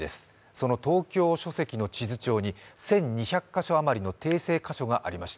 その東京書籍の地図上に１２００か所余りの訂正箇所がありました。